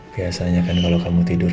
biasanya kan kalau kamu tidur